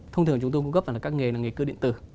thông thường chúng tôi cung cấp là các nghề là nghề cư điện tử